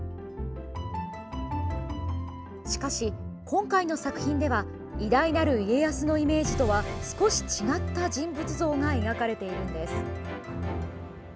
しかし、今回の作品では偉大なる家康のイメージとは少し違った人物像が描かれているんです。